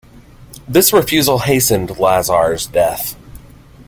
This refusal hastened Lazar's death.